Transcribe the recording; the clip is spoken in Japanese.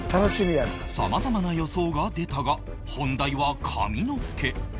さまざまな予想が出たが本題は髪の毛